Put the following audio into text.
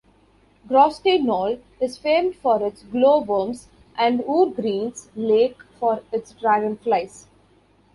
Gorsty Knoll is famed for its glow-worms and Woorgreen's lake for its dragonflies.